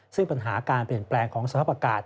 ซึ่งปัญหาการเปลี่ยนแปลงของสภาพอากาศ